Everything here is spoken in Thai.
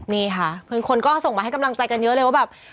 นี่ค่ะคือคนก็ส่งมาให้กำลังใจกันเยอะเลยว่าแบบ